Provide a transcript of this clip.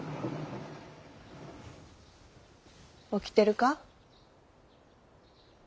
起きてるか？